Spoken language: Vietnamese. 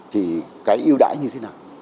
thì cái ưu đãi như thế nào